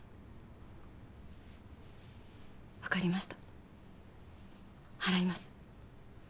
わかりました払います。